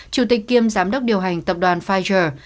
chủ tịch kiêm giám đốc điều hành tập đoàn pfizer